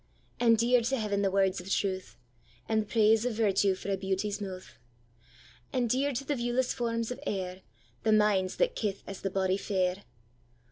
And dear to Heaven the words of truth, And the praise of virtue frae beauty's mouth! And dear to the viewless forms of air, The minds that kyth as the body fair!